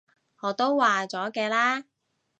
我都話咗嘅啦